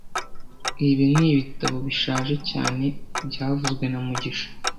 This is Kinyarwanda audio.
Ibi nibitabo bishaje cyane byavuzwe na mugisha